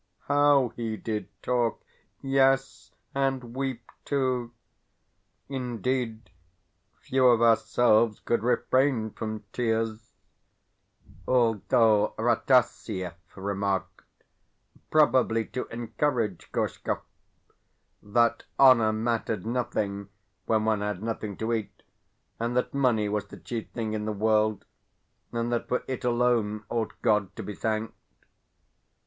How he did talk yes, and weep too! Indeed, few of ourselves could refrain from tears; although Rataziaev remarked (probably to encourage Gorshkov) that honour mattered nothing when one had nothing to eat, and that money was the chief thing in the world, and that for it alone ought God to be thanked.